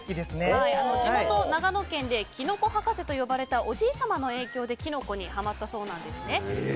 地元・長野県でキノコ博士と呼ばれたおじいさまの影響でキノコにハマったそうなんです。